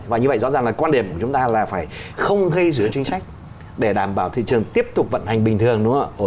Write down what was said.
và như vậy rõ ràng là quan điểm của chúng ta là phải không gây rủi ro chính sách để đảm bảo thị trường tiếp tục vận hành bình thường đúng không ạ